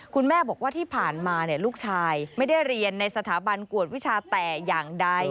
คุณแม่บอกว่าที่ผ่านมาลูกชายไม่ได้เรียนในสถาบันกวดวิชาแต่อย่างใด